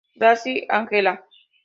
Grassi, Angela.